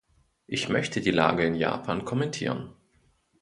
Ich möchte die Lage in Japan kommentieren.